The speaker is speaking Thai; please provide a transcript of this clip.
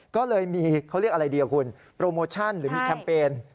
ก็เลยมีเขาเรียกอะไรดีคุณโปรโมชั่นหรือมีแคมเปญ